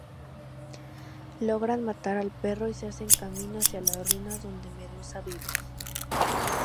Logran matar al perro y se hacen camino hacia las ruinas donde Medusa vive.